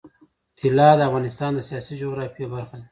طلا د افغانستان د سیاسي جغرافیه برخه ده.